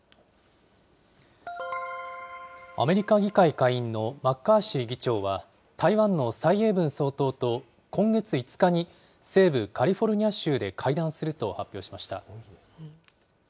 アメリカ議会下院のマッカーシー議長は、台湾の蔡英文総統と今月５日に西部カリフォルニア州で会談すると発表しました。